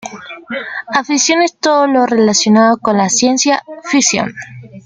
Aficiones: Todo lo relacionado con la Ciencia-Ficción.